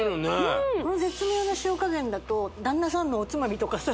うんこの絶妙な塩加減だと旦那さんのおつまみとかさ